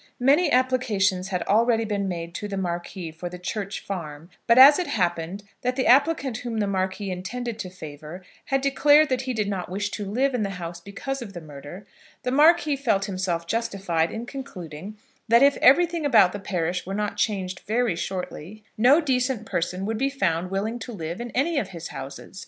Many applications had already been made to the Marquis for the Church Farm; but as it happened that the applicant whom the Marquis intended to favour, had declared that he did not wish to live in the house because of the murder, the Marquis felt himself justified in concluding that if everything about the parish were not changed very shortly, no decent person would be found willing to live in any of his houses.